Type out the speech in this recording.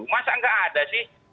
masa nggak ada sih